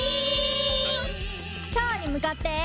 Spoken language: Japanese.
きょうにむかって。